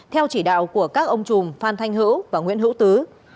theo chỉ đạo của các ông chùm phan thanh hữu và nguyễn hữu tứ